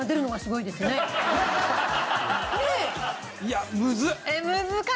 いやむずっ！